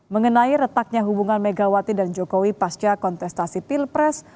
mengenai retaknya hubungan megawati dan jokowi pasca kontestasi pilpres